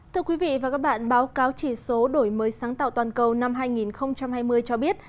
thưa quý vị và các bạn báo cáo chỉ số đổi mới sáng tạo toàn cầu năm hai nghìn hai mươi cho biết